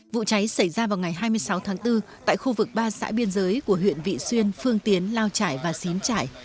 vụ cháy xảy ra vào ngày hai mươi sáu tháng bốn tại khu vực ba xã biên giới của huyện vị xuyên phương tiến lao trải và xín trải